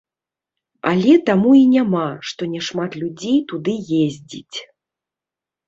Але таму і няма, што няшмат людзей туды ездзіць.